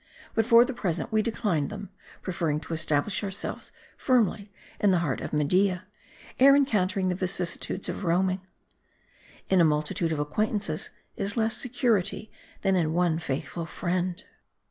But for the present we declined them ; preferring to establish ourselves firmly in the heart of Media, ere encountering the vicissitudes of roaming. In a multitude of acquaintances is less security, than in one faithful friend.